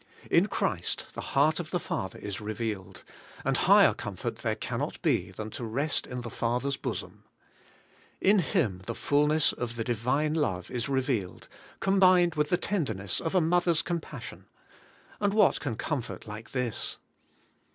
In Christ the heart of the Father is revealed, and higher comfort there cannot be than to rest in the Father's bosom. In Him the fulness of the Divine love is revealed, combined with the tenderness of a mother's compassion, — and what can comfort liVe this?